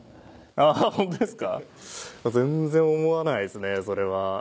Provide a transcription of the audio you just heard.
あぁホントですか全然思わないですねそれは。